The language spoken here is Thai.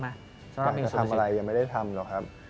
อยากจะทำอะไรยังไม่ได้ทำหรอกครับ